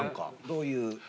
どういう。